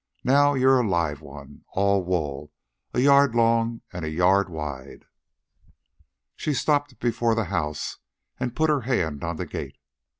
Now you're a live one, all wool, a yard long and a yard wide." She stopped before the house and put her hand on the gate.